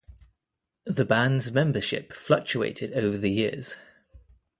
The band's membership fluctuated over the years.